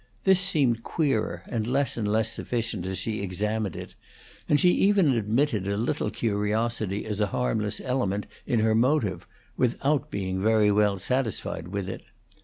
This seemed queerer and less and less sufficient as she examined it, and she even admitted a little curiosity as a harmless element in her motive, without being very well satisfied with it.